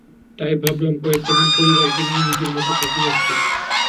তাই ভাবলাম, কয়েকটা দিন পরিবারকে নিয়ে নিজের মতো করে কাটিয়ে আসি।